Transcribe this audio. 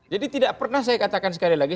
jadi tidak pernah saya katakan sekali lagi